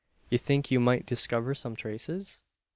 "You think you might discover some traces?"